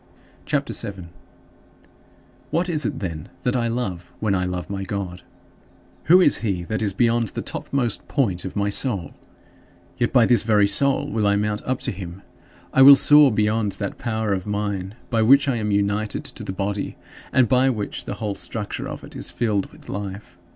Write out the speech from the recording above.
CHAPTER VII 11. What is it, then, that I love when I love my God? Who is he that is beyond the topmost point of my soul? Yet by this very soul will I mount up to him. I will soar beyond that power of mine by which I am united to the body, and by which the whole structure of it is filled with life.